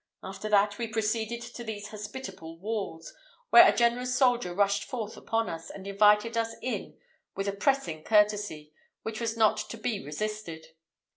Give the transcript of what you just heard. After that, we proceeded to these hospitable walls, where a generous soldier rushed forth upon us, and invited us in with a pressing courtesy which was not to be resisted.